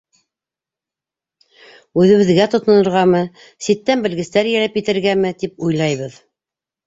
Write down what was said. Үҙебеҙгә тотонорғамы, ситтән белгестәр йәлеп итергәме, тип уйлайбыҙ.